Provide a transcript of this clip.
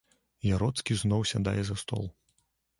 Яроцкі зноў сядае за стол.